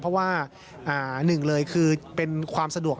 เพราะว่าหนึ่งเลยคือเป็นความสะดวก